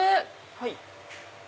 はい。